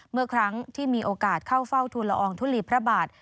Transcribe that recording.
เมื่อครั้งที่มีโอกาสเข้าเฝ้าทุนละอองทุลีพระบาท